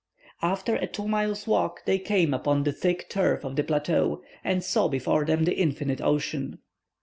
After a two miles' walk they came upon the thick turf of the plateau, and saw before them the infinite ocean.